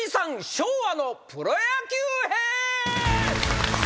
昭和のプロ野球編！